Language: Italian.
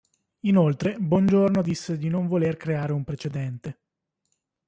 Inoltre Bongiorno disse di non voler creare un precedente.